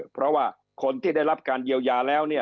เพราะว่าคนที่ได้รับการเยียวยาแล้วเนี่ย